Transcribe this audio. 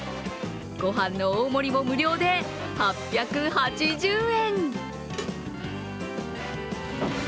ごはんの大盛りも無料で８８０円。